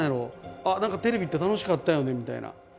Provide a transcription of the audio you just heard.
あっ何かテレビって楽しかったよねみたいな。